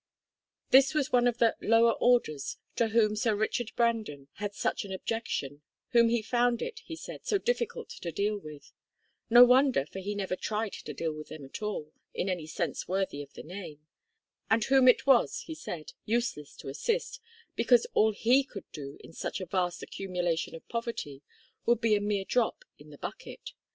This was one of the "lower orders" to whom Sir Richard Brandon had such an objection, whom he found it, he said, so difficult to deal with, (no wonder, for he never tried to deal with them at all, in any sense worthy of the name), and whom it was, he said, useless to assist, because all he could do in such a vast accumulation of poverty would be a mere drop in the bucket.